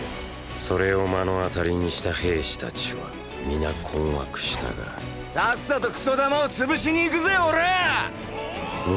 それを目の当たりにした兵士たちは皆困惑したがーーさっさとクソ弾を潰しに行くぜオラァ！！オオオオオ！！